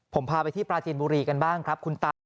ผมพาไปที่ปราจีนบุรีกันบ้างครับคุณตา